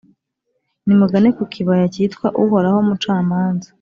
nimugane ku kibaya cyitwa ’Uhoraho mucamanza’,